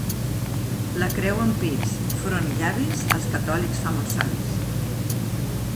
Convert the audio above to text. La creu en pits, front i llavis als catòlics fa molt savis.